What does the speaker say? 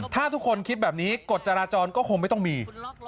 ถ้าทุกคนคิดแบบนี้กฎจราจรก็คงไม่ต้องมี